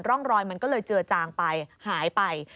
ร่องรอยมันก็เลยเจือจางไปหายไป